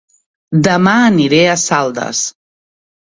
Dema aniré a Saldes